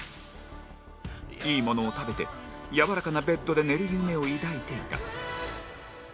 いいものを食べてやわらかなベッドで寝る夢を抱いていた